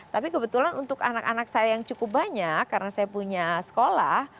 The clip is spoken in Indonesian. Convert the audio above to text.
tapi kebetulan untuk anak anak saya yang cukup banyak karena saya punya sekolah